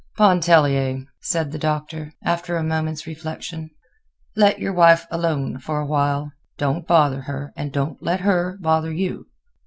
"Pontellier," said the Doctor, after a moment's reflection, "let your wife alone for a while. Don't bother her, and don't let her bother you.